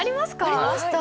ありました。